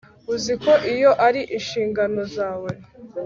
uzi ko iyo ari inshingano zawe